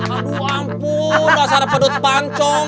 aduh ampun dasar pedut bancong